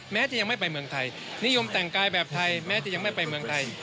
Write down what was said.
จะยังไม่ไปเมืองไทยนิยมแต่งกายแบบไทยแม้จะยังไม่ไปเมืองไทย